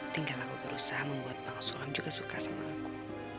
tinggal aku berusaha membuat pang sulam juga suka sama aku